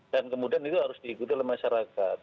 dan kemudian itu harus diikuti oleh masyarakat